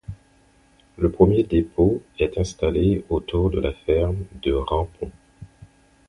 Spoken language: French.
Le premier dépôt est installé autour de la ferme de Rampont.